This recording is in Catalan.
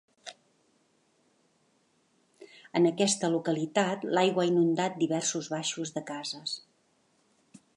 En aquesta localitat, l’aigua ha inundat diversos baixos de cases.